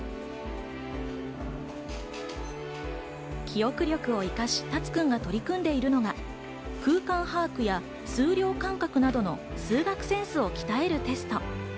記憶力を生かし、タツくんが取り組んでいるのが、空間把握や数量感覚などの数学センスを鍛えるテスト。